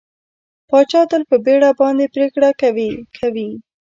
پاچا تل په بېړه باندې پرېکړه کوي کوي.